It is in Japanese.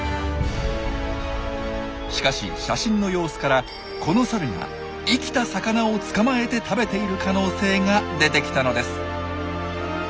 しかし写真の様子からこのサルが生きた魚を捕まえて食べている可能性が出てきたのです。